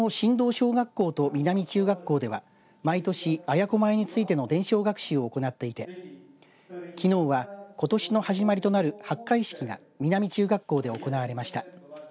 小学校と南中学校では毎年、綾子舞についての伝承学習を行っていてきのうはことしの始まりとなる発会式が南中学校で行われました。